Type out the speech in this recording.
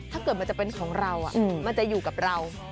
ถ้าเกิดมันจะเป็นของเรามันจะอยู่กับเรา